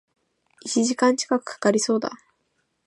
一時間近く掛かりそうだ